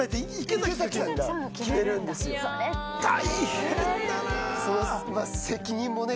大変だな。